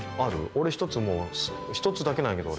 俺一つもう一つだけなんやけど俺。